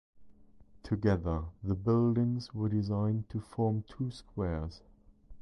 Together the buildings were designed to form two squares.